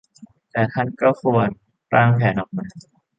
แต่ท่านก็ควรร่างแผนออกมา